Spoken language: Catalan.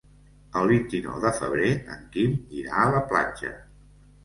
El vint-i-nou de febrer en Quim irà a la platja.